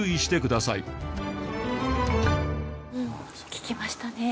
聞きましたね。